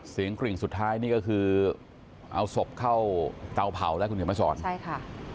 เสียงกลิ่งสุดท้ายนี่ก็คือเอาศพเข้าเตาเผาได้คุณเฮียมภาษอรใช่ค่ะ